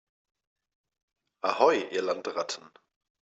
Ahoi, ihr Landratten!